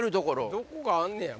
どこかあんねやろ。